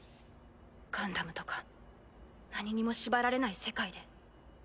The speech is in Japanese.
ガンダムとか何にも縛られない世界で。